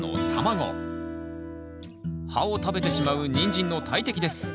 葉を食べてしまうニンジンの大敵です。